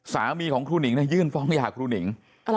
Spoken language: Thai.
สามีของครูหนิงยื่นฟ้องหย่าครูหนิง